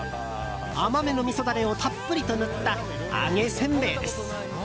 甘めのみそダレをたっぷりと塗った揚げせんべいです。